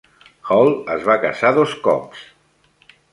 Hall es va casar dos cops.